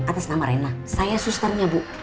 atas nama rena saya susternya bu